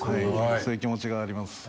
そういう気持ちがあります。